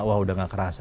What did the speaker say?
wah udah gak kerasa